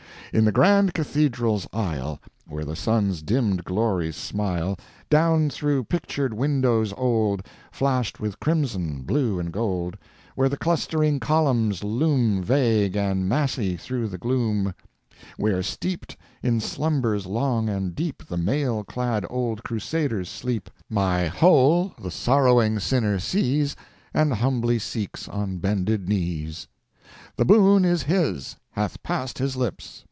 In the grand cathedral's aisle, Where the sun's dimmed glories smile, Down through pictured windows old, Flashed with crimson, blue and gold, Where the clustering columns loom Vague and massy, through the gloom— Where, steeped in slumbers long and deep The mail clad old Crusaders sleep, My Whole the sorrowing sinner sees, And humbly seeks on bended knees! The boon is his! hath passed his lips!